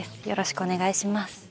よろしくお願いします。